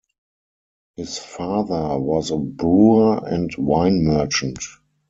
His father was a brewer and wine merchant.